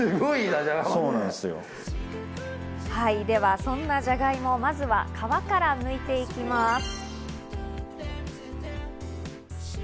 では、そんなじゃがいもをまずは皮から剥いていきます。